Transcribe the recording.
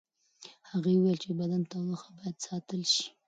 هغې وویل د بدن تودوخه باید ساتل شي.